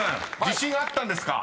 自信あったんですか］